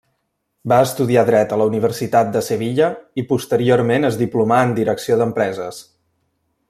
Va estudiar dret a la Universitat de Sevilla i posteriorment es diplomà en Direcció d'Empreses.